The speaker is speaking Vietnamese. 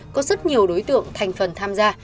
có rất nhiều đối tượng thành phần tham gia